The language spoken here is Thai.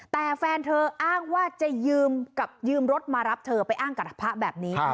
แต่แฟนเธออ้างว่าจะยืมรถมารับเธอไปอ้างกับพระแบบนี้